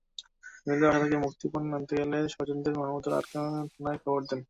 হিমেলদের বাসা থেকে মুক্তিপণ আনতে গেলে স্বজনেরা মাহমুদুলকে আটকে থানায় খবর দেন।